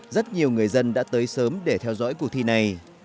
rất nhiều người dân đã tới sớm để theo dõi cuộc thi này